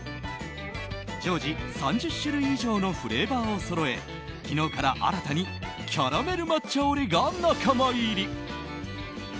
常時３０種類以上のフレーバーをそろえ昨日から新たにキャラメル抹茶オレが仲間入り。